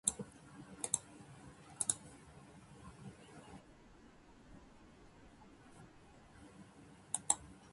新しいお布団が届いてうっきうき